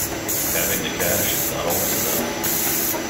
Having the cash is not always enough.